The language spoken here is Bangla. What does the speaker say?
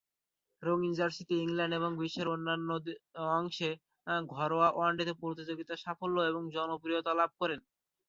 রঙিন জার্সিতে ইংল্যান্ড এবং বিশ্বের অন্যান্য অংশে ঘরোয়া ওয়ানডে প্রতিযোগিতার সাফল্য এবং জনপ্রিয়তা লাভ করে।